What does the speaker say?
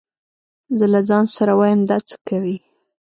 زه له ځان سره وايم دا څه کوي.